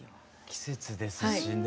季節ですしね。